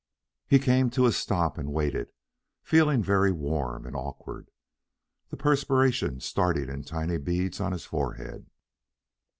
He came to a stop and waited, feeling very warm and awkward, the perspiration starting in tiny beads on his forehead.